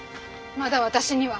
まだ私には。